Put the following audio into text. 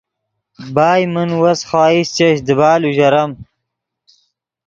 بائے من وس خواہش چش دیبال اوژرم